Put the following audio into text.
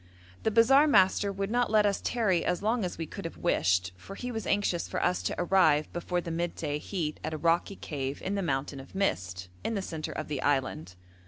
The bazaar master would not let us tarry as long as we could have wished, for he was anxious for us to arrive before the midday heat at a rocky cave in the 'mountain of mist,' in the centre of the island.